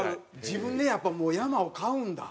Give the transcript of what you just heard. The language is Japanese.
自分でやっぱもう山を買うんだ。